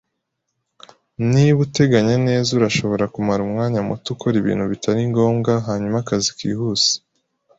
Niba uteganya nezaurashobora kumara umwanya muto ukora ibintu bitari ngombwa hanyuma akazi kihuse.